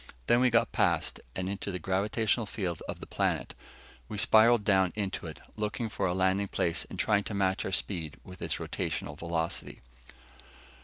Then we got past, and into the gravitational field of the planet. We spiralled down around it, looking for a landing place and trying to match our speed with its rotational velocity.